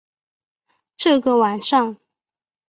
这个晚上